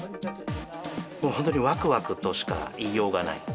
本当にわくわくとしかいいようがない。